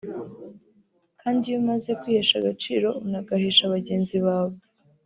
kandi iyo umaze kwihesha agaciro unagahesha bagenzi bawe